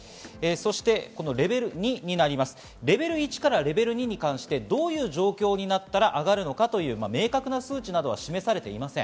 レベル２になるとレベル１から２に関してどういう状況になったら上がるのか明確な数値などは示されていません。